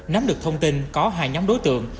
nắm được thông tin có hai nhóm đối tượng